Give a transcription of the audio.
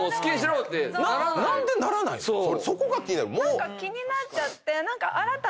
何か気になっちゃって。